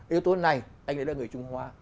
yếu tố này anh ấy là người trung hoa